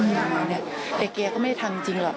แต่แกก็ไม่ได้ทำจริงหรอก